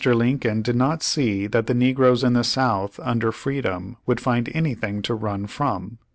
Lincoln did not see that the negroes in the South under freedom would find anything to run from.